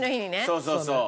そうそうそう。